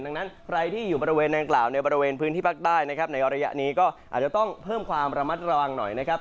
ดังนั้นใครที่อยู่บริเวณนางกล่าวในบริเวณพื้นที่ภาคใต้นะครับในระยะนี้ก็อาจจะต้องเพิ่มความระมัดระวังหน่อยนะครับ